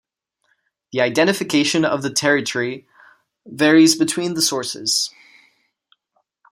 The identification of the territory varies between the sources.